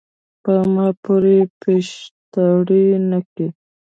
پۀ ما پورې پیشاړې نۀ کے ،